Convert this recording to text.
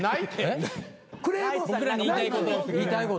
僕らに言いたいこと。